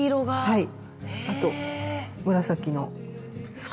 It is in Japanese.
はい。